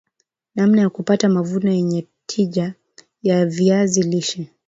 namna ya kupata mavuno yenye tija ya viazi lishe